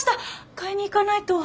買いに行かないと。